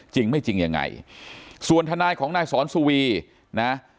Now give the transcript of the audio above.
จริงไม่จริงยังไงส่วนทนายของนายสอนสุวีนะ